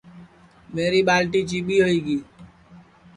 میری ٻالٹی چیٻی ہوئی گی